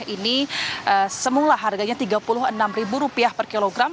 ini semula harganya rp tiga puluh enam per kilogram